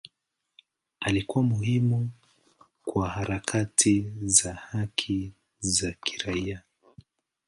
Alikuwa muhimu kwa harakati za haki za kiraia.